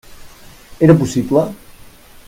Era possible.